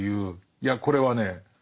いやこれはね